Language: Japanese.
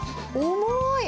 重い！